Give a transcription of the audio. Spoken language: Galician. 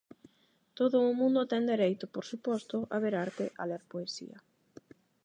Todo o mundo ten dereito, por suposto, a ver arte, a ler poesía.